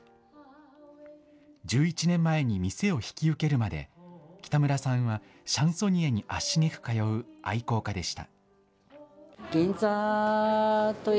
１１年前に店を引き受けるまで、北村さんはシャンソニエに足しげく通う愛好家でした。